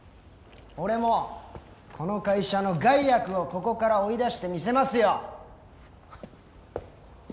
俺もこの会社の害悪をここから追い出してみせますよ！